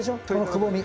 くぼみ。